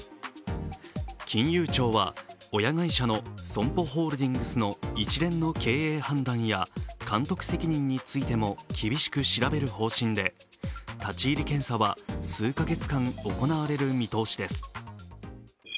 金融庁は親会社のＳＯＭＰＯホールディングスの一連の経営判断や監督責任についても厳しく調べる方針で立ち入り検査は数か月間、行われる見通しです。